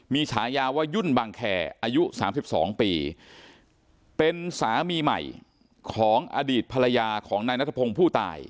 มีฉายาว่ายุ่นบังแคร์อายุ๓๒ปีเป็นสามีใหม่ของอดีตภรรยาของนายนัทพงศ์ผู้ตาย